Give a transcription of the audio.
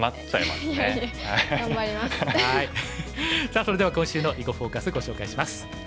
さあそれでは今週の「囲碁フォーカス」ご紹介します。